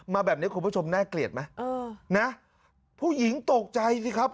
แบบนี้คุณผู้ชมน่าเกลียดไหมเออนะผู้หญิงตกใจสิครับ